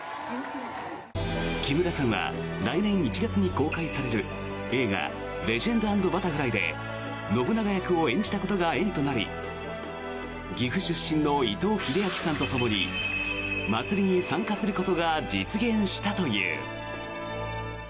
木村さんは来年１月に公開される映画「レジェンド＆バタフライ」で信長役を演じたことが縁となり岐阜出身の伊藤英明さんとともにまつりに参加することが実現したという。